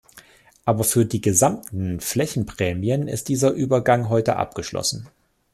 Aber für die gesamten Flächenprämien ist dieser Übergang heute abgeschlossen.